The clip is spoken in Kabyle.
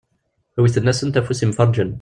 Wwten-asent afus yemferrǧen.